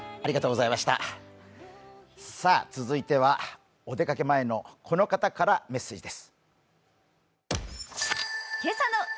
続いてはお出かけ前のこの方からメッセージです。